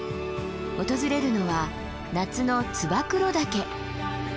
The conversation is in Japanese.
訪れるのは夏の燕岳。